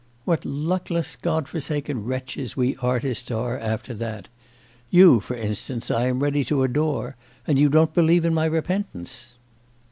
What luckless, God forsaken wretches we artists are after that! You, for instance, I am ready to adore, and you don't believe in my repentance.